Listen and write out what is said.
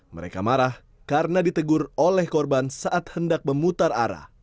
mereka marah karena ditegur oleh korban saat hendak memutar arah